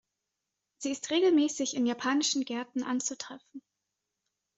Sie ist regelmäßig in Japanischen Gärten anzutreffen.